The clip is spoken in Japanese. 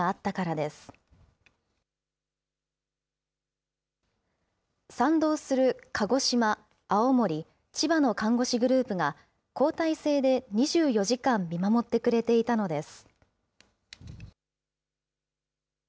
賛同する鹿児島、青森、千葉の看護師グループが、交代制で２４時間見守ってくれていたのです。